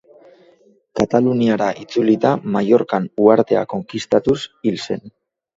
Kataluniara itzulita, Mallorcan uhartea konkistatuz hil zen.